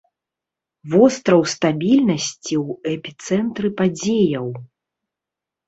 Востраў стабільнасці ў эпіцэнтры падзеяў.